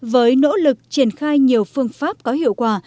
với nỗ lực triển khai nhiều phương pháp có hiệu quả